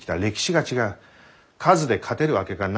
数で勝てるわけがないのだよ。